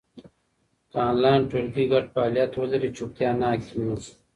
که انلاین ټولګي ګډ فعالیت ولري، چوپتیا نه حاکمېږي.